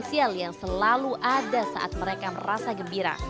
misalnya sayuran yang selalu ada saat mereka merasa gembira